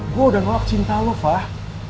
gue udah nolak cinta lo fah